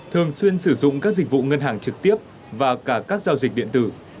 thường xuyên sử dụng các dịch vụ ngân hàng trực tiếp và cả các giao dịch điện tử